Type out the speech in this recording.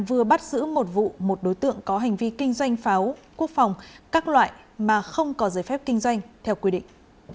vừa bắt giữ một vụ một đối tượng có hành vi kinh doanh pháo quốc phòng các loại mà không có giới phép kinh doanh theo quy định